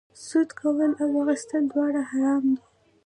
سود کول او اخیستل دواړه حرام دي